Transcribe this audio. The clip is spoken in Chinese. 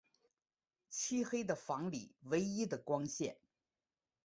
漆黑的房里唯一的光线